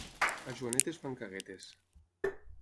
A Joanetes fan caguetes.